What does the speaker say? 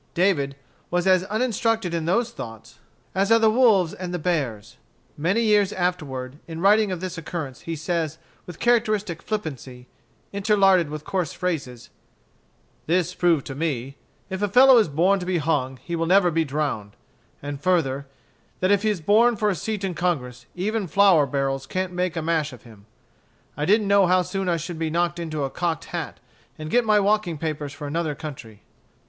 David was as uninstructed in those thoughts as are the wolves and the bears. Many years afterward, in writing of this occurrence, he says, with characteristic flippancy, interlarded with coarse phrases: "This proved to me, if a fellow is born to be hung he will never be drowned; and further, that if he is born for a seat in Congress, even flour barrels can't make a mash of him. I didn't know how soon I should be knocked into a cocked hat, and get my walking papers for another country."